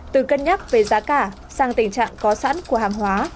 từ cân nhắc về giá cả sang tình trạng có sẵn của hàng hóa